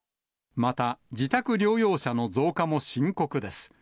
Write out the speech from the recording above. また、自宅療養者の増加も深刻です。